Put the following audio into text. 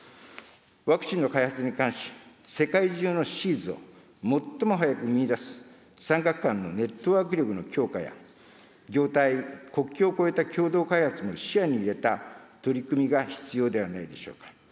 ワクチンの開発に関し、世界中のシーズを最も早く見いだす産学官のネットワーク力の強化や、業態・国境を越えた共同開発も視野に入れた取り組みが必要ではないでしょうか。